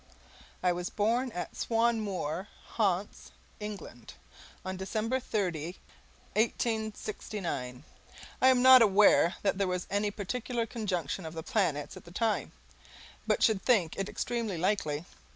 I was born at Swanmoor, Hants, England, on December 30, 1869. I am not aware that there was any particular conjunction of the planets at the time, but should think it extremely likely.